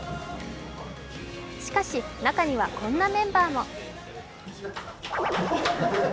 しかし、中にはこんなメンバーも。